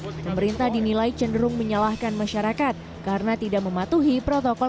pemerintah dinilai cenderung menyalahkan masyarakat karena tidak mematuhi protokol